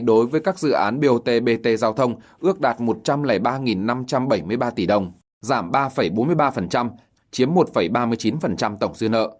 đối với các dự án bot bt giao thông ước đạt một trăm linh ba năm trăm bảy mươi ba tỷ đồng giảm ba bốn mươi ba chiếm một ba mươi chín tổng dư nợ